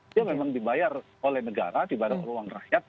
dia memang dibayar oleh negara di bawah ruang rakyat